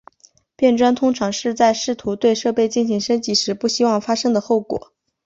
变砖通常是在试图对设备进行升级时不希望发生的后果。